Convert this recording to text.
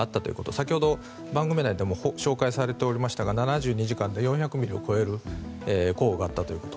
先ほど番組内でも紹介されておりましたが７２時間で４００ミリを超える降雨があったということ。